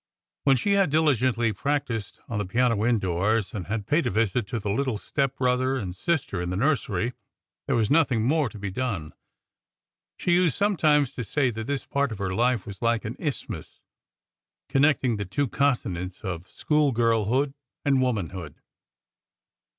When she had diligently practised on the piano indoors, and had paid a visit to the little step brother and sister in the nursery, there was nothing more to be done. She used sometimes to say that this part of her life was like an isthmus, connecting the two continents of schoolgirlhood and womanhood.